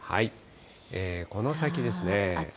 この先ですね。